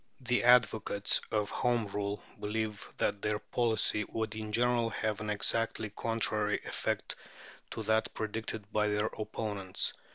The advocates of Home Rule believe that their policy would in general have an exactly contrary effect to that predicted by their opponents.